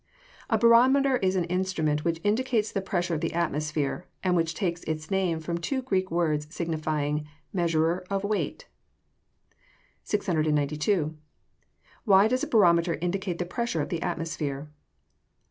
_ A barometer is an instrument which indicates the pressure of the atmosphere, and which takes its name from two Greek words signifying measurer of weight. 692. _Why does a barometer indicate the pressure of the atmosphere?